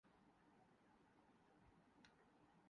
ابو حامد غزالی اسلام کے مشہور مفکر اور متکلم تھے